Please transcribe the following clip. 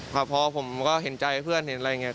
ครับพอผมก็เห็นใจเพื่อนเห็นอะไรอย่างนี้